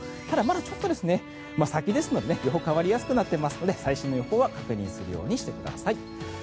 ただ、まだちょっと先ですので予報は変わりやすくなっていますので最新の予報は確認するようにしてください。